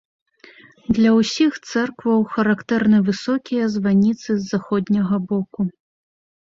Для ўсіх цэркваў характэрны высокія званіцы з заходняга боку.